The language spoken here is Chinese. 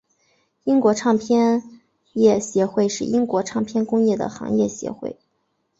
英国唱片业协会是英国唱片工业的行业协会。